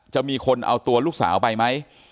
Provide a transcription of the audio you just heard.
จะมีคนเอาตัวลูกสาวไปไหม